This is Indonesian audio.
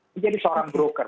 menjadi seorang broker